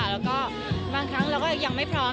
แล้วก็บางครั้งเราก็ยังไม่พร้อม